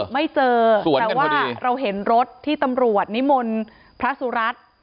ไม่เจอแต่ว่าเราเห็นรถที่ตำรวจนิมนต์พระสุรัตน์